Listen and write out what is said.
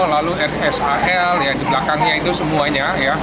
lalu rs ahel di belakangnya itu semuanya